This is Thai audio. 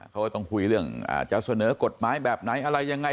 เขาก็ต้องคุยเรื่องจะเสนอกฎหมายแบบไหนอะไรยังไง